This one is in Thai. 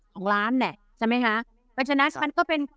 สองล้านน่ะใช่ไหมฮะแต่ฉะนั้นสามันก็เป็น